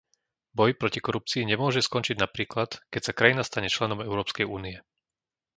Boj proti korupcii nemôže skončiť napríklad, keď sa krajina stane členom Európskej únie.